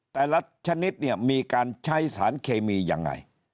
แต่ละชนิดมีการใช้สารเคมีอย่างไร